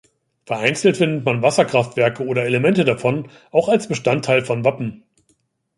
Vereinzelt findet man Wasserkraftwerke oder Elemente davon auch als Bestandteil von Wappen.